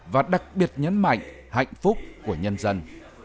và đặc biệt nhấn mạnh hạnh phúc của nhân dân